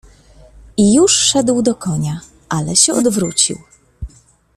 "I już szedł do konia, ale się odwrócił."